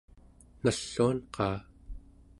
nalluan-qaa?